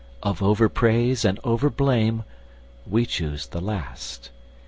of overpraise and overblame We choose the last.